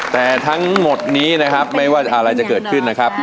แต่ทั้งหมดนี้นะครับไม่ว่าอะไรจะเกิดขึ้นนะครับ